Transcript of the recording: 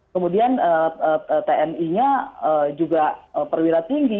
kemudian tni nya juga perwira tinggi